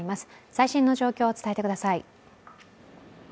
最新の情報を伝えてください。